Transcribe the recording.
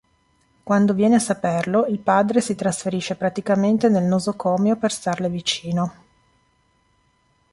Quando viene a saperlo, il padre si trasferisce praticamente nel nosocomio per starle vicino.